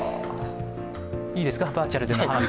いいですか、バーチャルの花火